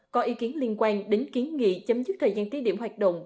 có ý kiến liên quan đến kiến nghị chấm dứt thời gian thí điểm hoạt động